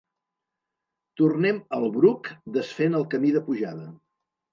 Tornem al Bruc desfent el camí de pujada.